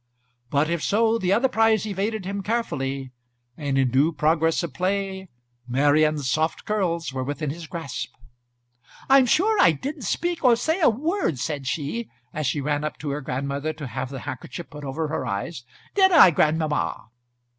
But if so, the other prize evaded him carefully, and in due progress of play, Marian's soft curls were within his grasp. "I'm sure I didn't speak, or say a word," said she, as she ran up to her grandmother to have the handkerchief put over her eyes. "Did I, grandmamma?"